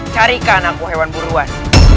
carikan aku hewan buruan